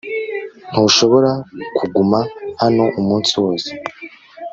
ntushobora kuguma hano umunsi wose